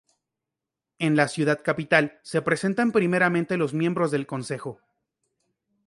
En la ciudad capital, se presentan primeramente los miembros del consejo.